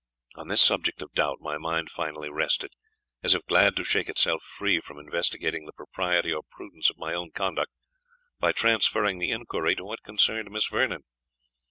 On this subject of doubt my mind finally rested, as if glad to shake itself free from investigating the propriety or prudence of my own conduct, by transferring the inquiry to what concerned Miss Vernon.